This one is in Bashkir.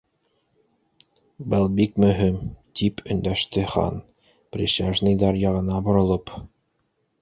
—Был бик мөһим, —тип өндәште Хан, присяжныйҙар яғына боролоп.